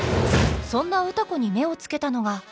そんな歌子に目をつけたのが。